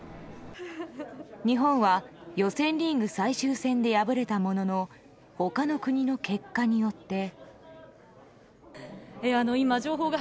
日本は予選リーグ最終戦で敗れたものの他の国の結果によって。